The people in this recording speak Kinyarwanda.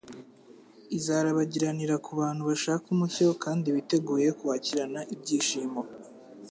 izarabagiranira ku bantu bashaka umucyo kandi biteguye kuwakirana ibyishimo.